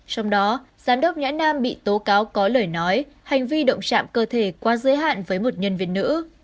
trong đó giám đốc nhã nam bị tố cáo có lời nói hành vi động trạm cơ thể quá giới hạn với một nhân viên nữ